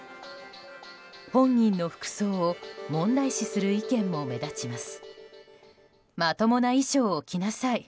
本人の服装を問題視する意見も目立ちます。